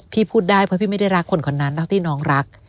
พูดได้เพราะพี่ไม่ได้รักคนคนนั้นเท่าที่น้องรัก